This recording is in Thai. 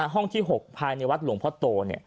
ห้องที่๖ภายในวัดหลวงพ่อโต